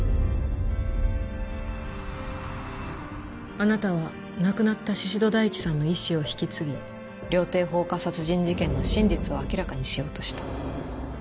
あなたは亡くなった宍戸大樹さんの遺志を引き継ぎ料亭放火殺人事件の真実を明らかにしようとした。